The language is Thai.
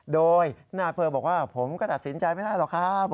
โดยนายอำเภอบอกว่าผมก็ตัดสินใจไม่ได้หรอกครับ